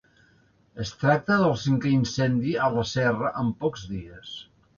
Es tracta del cinquè incendi a la serra en pocs dies.